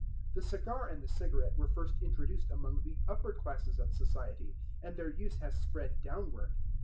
The cigar and the cigarette were first introduced among the upper classes of society, and their use has spread downward.